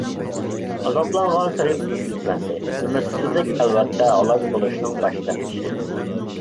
ئازابلانغانسېرى ئۈمىدسىزلەندى. ئۈمىدسىزلىك ئەلۋەتتە ھالاك بولۇشنىڭ باشلىنىشى.